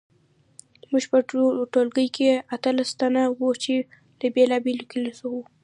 موږ په ټولګي کې اتلس تنه وو چې له بیلابیلو کلیو وو